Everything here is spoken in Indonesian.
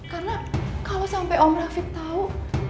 karena kalau sampai om rafiq tahu